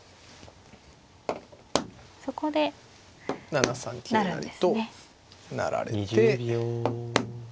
７三桂成と成られて。